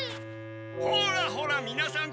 ほらほらみなさん